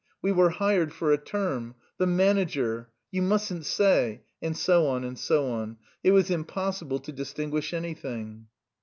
we were hired for a term... the manager... you mustn't say," and so on and so on. It was impossible to distinguish anything.